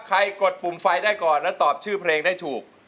กดปุ่มไฟได้ก่อนและตอบชื่อเพลงได้ถูก